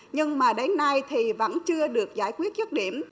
nhưng mà đến nay thì vẫn chưa được giải quyết dứt điểm